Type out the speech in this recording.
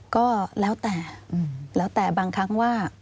ก็แล้วแต่แล้วแต่บางครั้งว่า